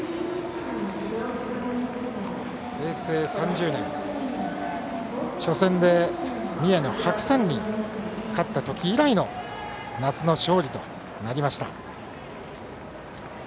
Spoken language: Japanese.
平成３０年、初戦で三重の白山に勝った時以来の夏の勝利となりました。